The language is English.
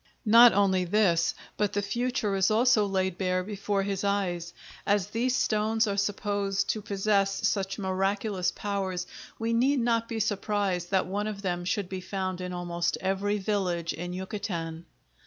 Not only this, but the future is also laid bare before his eyes. As these stones are supposed to possess such miraculous powers we need not be surprised that one of them should be found in almost every village in Yucatan.